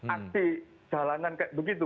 aksi jalanan kayak begitu